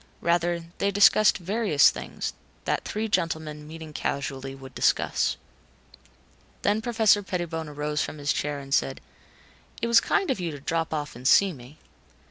Rather, they discussed various things, that three gentlemen, meeting casually, would discuss. Then Professor Pettibone arose from his chair and said, "It was kind of you to drop off and see me."